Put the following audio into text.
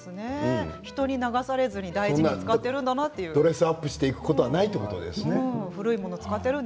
人に流されずに大事に使っているんだなというドレスアップして行くことはないということですね。